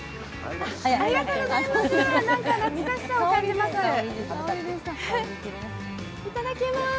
ありがとうございます。